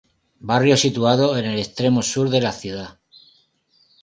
Barrio situado en el extremo sur de la ciudad.